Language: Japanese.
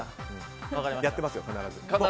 やってますよ、必ず。